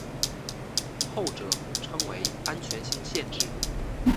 后者称为安全性限制。